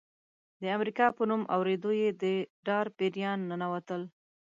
د امریکا په نوم اورېدو یې د ډار پیریان ننوتل.